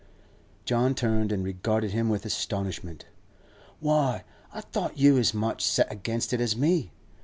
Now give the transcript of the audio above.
John turned and regarded him with astonishment. 'Why, I thought you was as much set against it as me?